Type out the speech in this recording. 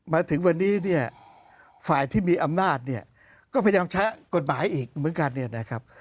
มาถึงวันนี้ฝ่ายที่มีอำนาจก็พยายามใช้กฎหมายอีกเหมือนกันนะครับ